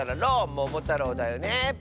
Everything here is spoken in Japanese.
「ももたろう」だよね。